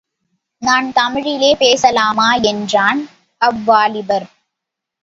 நான் தமிழில் பேசலாமா? என்றார், அவ்வாலிபர்.